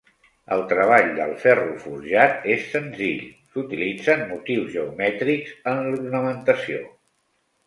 El treball del ferro forjat és senzill; s'utilitzen motius geomètrics en l'ornamentació.